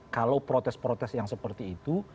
kalau protes protes yang seperti itu